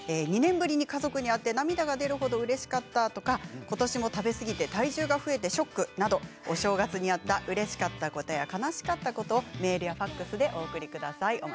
２年ぶりに家族に会い涙が出るほどうれしかったとかことしも食べすぎて体重が増えてショックなど、お正月にあったうれしかったことや悲しかったことをメールやファックスでお送りください。